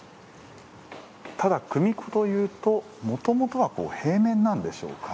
ただ組子というともともとは平面なんでしょうか？